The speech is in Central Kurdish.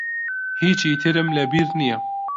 هیچی ترم لە بیر نییە.